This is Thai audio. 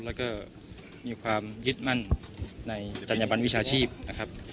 แล้วก็มีความยึดมั่นในจัญญบันวิชาชีพนะครับ